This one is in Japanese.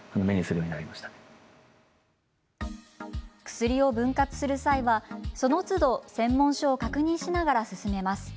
薬を分割する際は、そのつど専門書を確認しながら進めます。